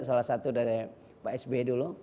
salah satu dari pak sby dulu